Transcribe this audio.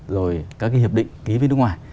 rồi các cái hiệp định ký với nước ngoài